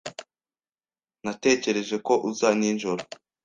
Natekereje ko uza nijoro.